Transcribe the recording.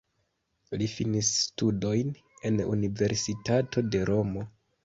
Li finis studojn en universitato de Romo.